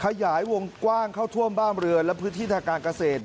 ขยายวงกว้างเข้าท่วมบ้านเรือนและพื้นที่ทางการเกษตร